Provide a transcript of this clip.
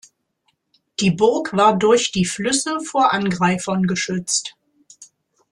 Die Burg war durch die Flüsse vor Angreifern geschützt.